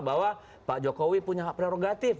bahwa pak jokowi punya hak prerogatif